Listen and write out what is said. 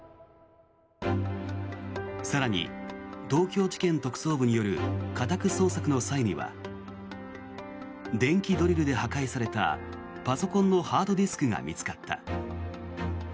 更に東京地検特捜部による家宅捜索の際には電気ドリルで破壊されたパソコンのハードディスクが見つかった。